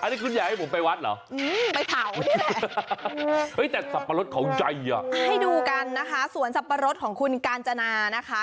นี่แหละเฮ้ยแต่สับปะรดเขาใจอ่ะให้ดูกันนะคะสวนสับปะรดของคุณกาญจนานะคะ